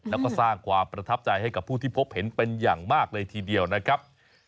แล้วก็สร้างความประทับใจให้กับผู้ที่พบเห็นเป็นอย่างมากเลยทีเดียวนะครับ